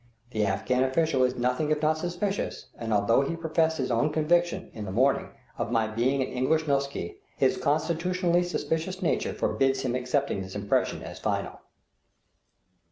The Afghan official is nothing if not suspicious, and although he professed his own conviction, in the morning, of my being an English "nokshi," his constitutionally suspicious nature forbids him accepting this impression as final.